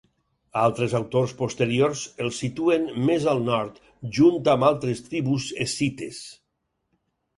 Altres autors posteriors els situen més al nord junt amb altres tribus escites.